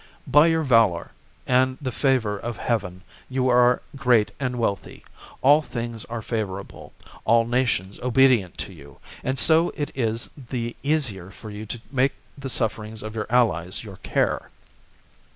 By your valour, and the favour of heaven, you are great and wealthy. All things are favourable, all nations obedient to you, and so it is the easier for you to make the sufferings of your allies your care.